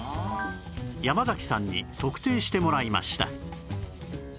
山崎さんに測定してもらいました